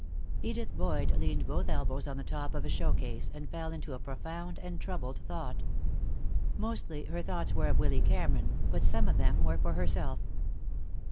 Edith Boyd leaned both elbows on the top of a showcase and fell into a profound and troubled thought. Mostly her thoughts were of Willy Cameron, but some of them were for herself.